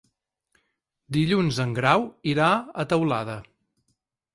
Dilluns en Grau irà a Teulada.